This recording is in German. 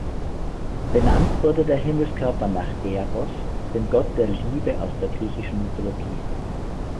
Benannt wurde der Himmelskörper nach Eros, dem Gott der Liebe aus der griechischen Mythologie.